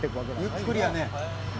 「ゆっくりやね」